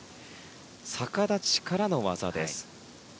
逆立ちからの技です。